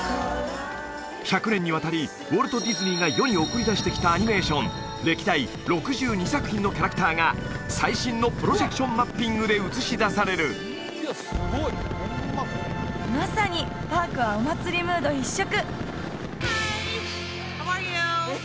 １００年にわたりウォルト・ディズニーが世に送り出してきたアニメーション歴代６２作品のキャラクターが最新のプロジェクションマッピングで映し出されるまさにパークはお祭りムード一色！